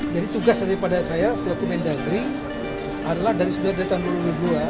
jadi tugas daripada saya sebagai menda negeri adalah dari sembilan belas tahun dua ribu dua puluh dua